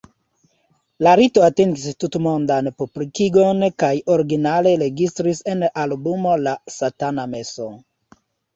La rito atingis tutmondan publikigon kaj originale registris en la albumo La Satana Meso.